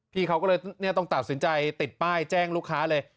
เขาก็เลยต้องตัดสินใจติดป้ายแจ้งลูกค้าเลย